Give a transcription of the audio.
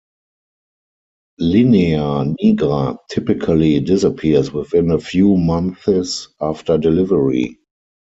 Linea nigra typically disappears within a few months after delivery.